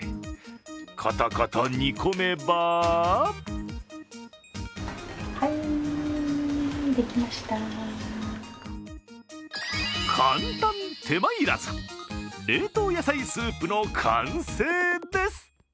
コトコト煮込めば簡単手間要らず、冷凍野菜スープの完成です。